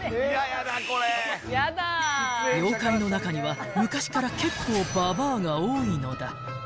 ［妖怪の中には昔から結構ババアが多いのだ］